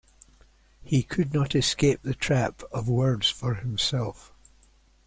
He could not escape the trap of words for himself.